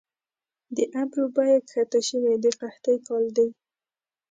د ابرو بیه کښته شوې د قحطۍ کال دي